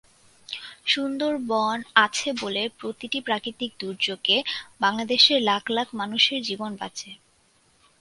সুন্দরবন আছে বলে প্রতিটি প্রাকৃতিক দুর্যোগে বাংলাদেশের লাখ লাখ মানুষের জীবন বাঁচে।